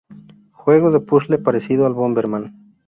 Juego de puzzle parecido al Bomberman.